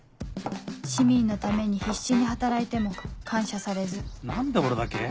市民のために必死に働いても感謝されず何で俺だけ？